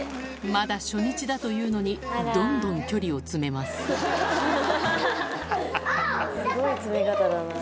まだ初日だというのにどんどん距離を詰めますすごい詰め方だな。